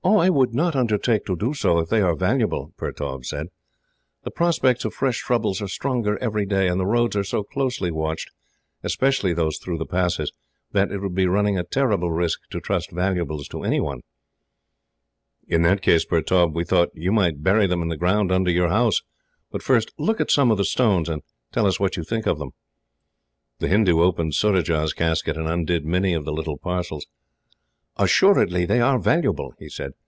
"I would not undertake to do so, if they are valuable," Pertaub said. "The prospects of fresh troubles are stronger every day, and the roads are so closely watched, especially those through the passes, that it would be running a terrible risk to trust valuables to anyone." "In that case, Pertaub, we thought you might bury them in the ground under your house. But first, look at some of the stones, and tell us what you think of them." The Hindoo opened Surajah's casket, and undid many of the little parcels. "Assuredly they are valuable," he said.